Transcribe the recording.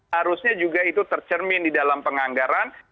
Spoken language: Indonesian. harusnya juga itu tercermin di dalam penganggaran